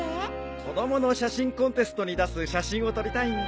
子供の写真コンテストに出す写真を撮りたいんだ。